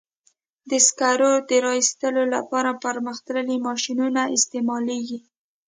د سکرو د را ایستلو لپاره پرمختللي ماشینونه استعمالېږي.